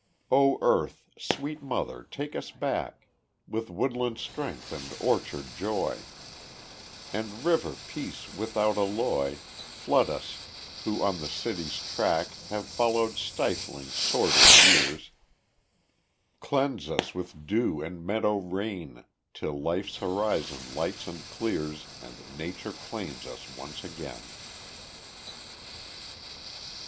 V O Earth, sweet Mother, take us back! With woodland strength and orchard joy, And river peace without alloy, Flood us who on the city's track Have followed stifling sordid years, Cleanse us with dew and meadow rain, Till life's horizon lights and clears, And nature claims us once again.